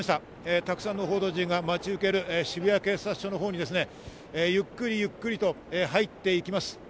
たくさんの報道陣が待ち受ける渋谷警察署のほうにですね、ゆっくり、ゆっくりと入っていきます。